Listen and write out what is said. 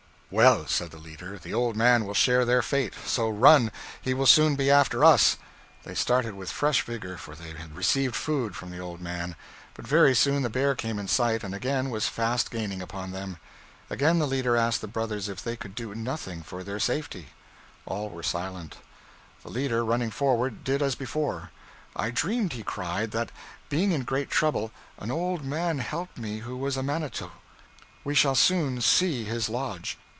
'Well,' said the leader, 'the old man will share their fate: so run; he will soon be after us.' They started with fresh vigor, for they had received food from the old man: but very soon the bear came in sight, and again was fast gaining upon them. Again the leader asked the brothers if they could do nothing for their safety. All were silent. The leader, running forward, did as before. 'I dreamed,' he cried, 'that, being in great trouble, an old man helped me who was a manito; we shall soon see his lodge.'